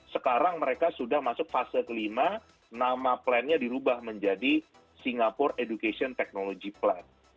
sekarang mereka sudah masuk fase kelima nama plannya dirubah menjadi singapore education technology plan